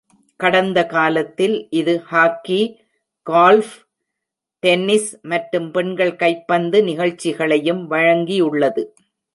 கடந்த காலத்தில், இது ஹாக்கி, கோல்ஃப், டென்னிஸ் மற்றும் பெண்கள் கைப்பந்து நிகழ்ச்சிகளையும் வழங்கியுள்ளது.